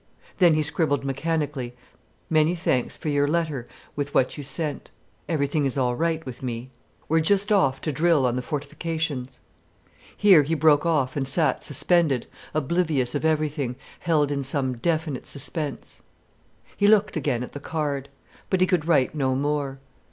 Then he scribbled mechanically: "Many thanks for your letter with what you sent. Everything is all right with me. We are just off to drill on the fortifications——" Here he broke off and sat suspended, oblivious of everything, held in some definite suspense. He looked again at the card. But he could write no more.